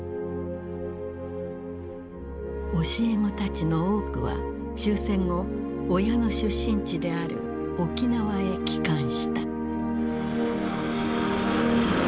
教え子たちの多くは終戦後親の出身地である沖縄へ帰還した。